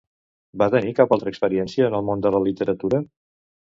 Va tenir cap altra experiència en el món de la literatura?